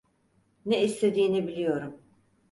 Ne istediğini biliyorum.